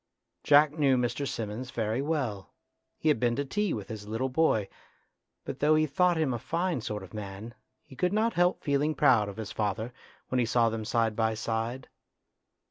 Jack knew Mr. Simmons very well ; he had been to tea with A TRAGEDY IN LITTLE 103 his little boy, but though he thought him a fine sort of man he could not help feeling proud of his father when he saw them side by side.